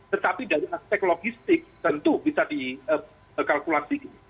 tetapi dari aspek logistik tentu bisa dikalkulasikan